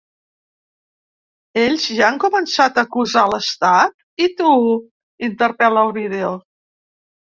Ells ja han començat a acusar l’estat, i tu?, interpel·la el vídeo.